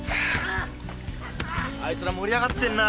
あいつら盛り上がってんな。